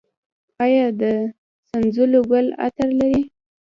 آیا د سنځلو ګل عطر لري؟